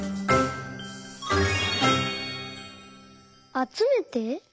「あつめて」？